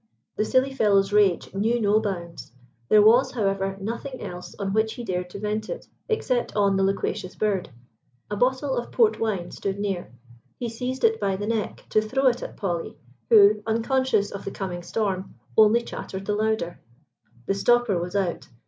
The silly fellow's rage knew no bounds. There was, however, nothing else on which he dared to vent it, except on the loquacious bird. A bottle of port wine stood near. He seized it by the neck to throw it at Polly, who, unconscious of the coming storm, only chattered the louder. The stopper was out.